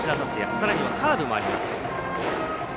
さらにカーブもあります。